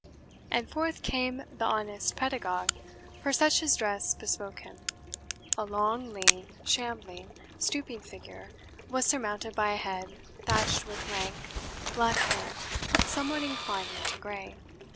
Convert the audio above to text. And forth came the honest pedagogue, for such his dress bespoke him. A long, lean, shambling, stooping figure was surmounted by a head thatched with lank, black hair somewhat inclining to grey.